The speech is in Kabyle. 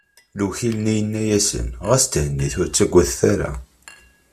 Lewkil-nni yenna-asen: Ɣas thennit, ur ttagadet ara!